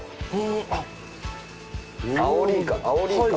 あっ！